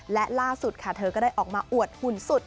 และล่าสุดค่ะเธอก็ได้ออกมาอวดหุ่นสุด